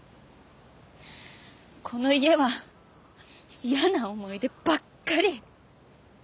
この家は嫌な思い出ばっかり！